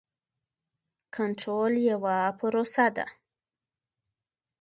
کنټرول یوه پروسه ده.